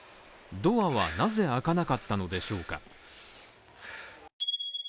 ドアはなぜ開かなかったのでしょうか？